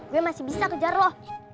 gue masih bisa kejar loh